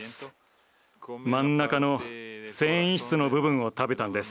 真ん中の繊維質の部分を食べたんです。